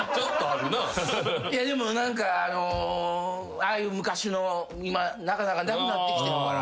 いやでも何かああいう昔の今なかなかなくなってきてるから。